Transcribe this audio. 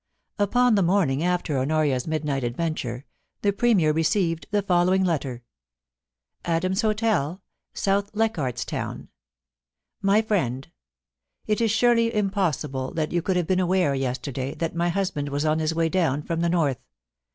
Upon the morning after Honoria's midnight adventure, the Premier received the following letter :' Adams's Hotel, * South Leichardt's Town. *Mv Friend, * It is sijrely impossible that you could have been aware, yesterday, that my husband was on his way down from the north.